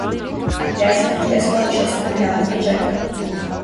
Ռեակցիան իր տեսքով հիշեցնում է հրաբխի ժայթքում։